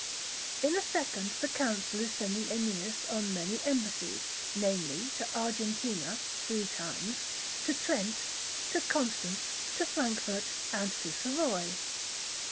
In the second the Council is sending Æneas on many embassies namely, to Argentina (three times), to Trent, to Constance, to Frankfurt, and to Savoy.